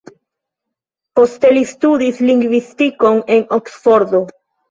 Poste li studis lingvistikon en Oksfordo.